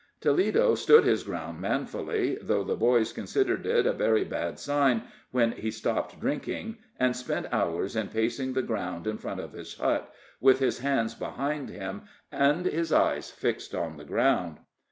Toledo stood his ground manfully, though the boys considered it a very bad sign when he stopped drinking, and spent hours in pacing the ground in front of his hut, with his hands behind him, and his eyes fixed on the ground.